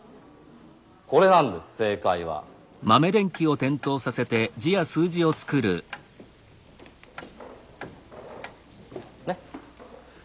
これなんです正解は。ね？